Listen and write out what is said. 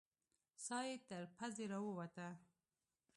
ساه يې تر پزې راووته.